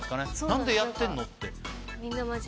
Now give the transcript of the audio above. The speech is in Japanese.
何でやってんの？って。